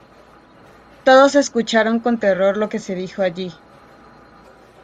Todos escucharon con terror lo que se dijo allí.